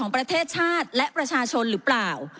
ประเทศชาติและประชาชนหรือเปล่า